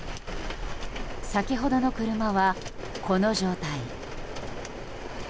先ほどの車は、この状態。